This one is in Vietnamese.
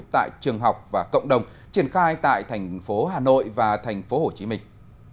tại trường học và cộng đồng triển khai tại thành phố hà nội và thành phố hồ chí minh